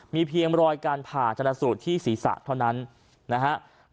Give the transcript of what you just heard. มีเพียงรอยการผ่าจรรย์สูตรที่ศรีษะเท่านั้นนะครับ